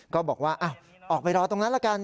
ก็บอกว่าออกไปรอตรงนั้นละกัน